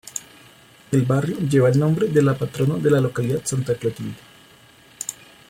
El barrio lleva el nombre de la patrona de la localidad Santa Clotilde.